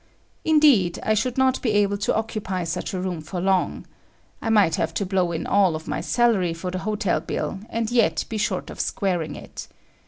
Indeed, I should not be able to occupy such a room for long. I might have to blow in all of my salary for the hotel bill and yet be short of squaring it.